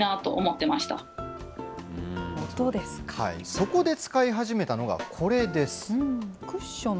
そこで使い始めたのがこれです。